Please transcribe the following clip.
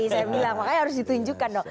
saya bilang makanya harus ditunjukkan dong